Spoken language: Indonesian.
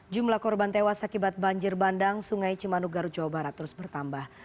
jumlah korban tewas akibat banjir bandang sungai cimanuk garut jawa barat terus bertambah